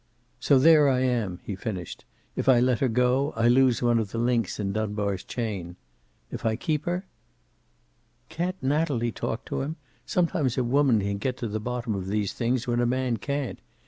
"So there I am," he finished. "If I let her go, I lose one of the links in Dunbar's chain. If I keep her?" "Can't Natalie talk to him? Sometimes a woman can get to the bottom of these things when a man can't.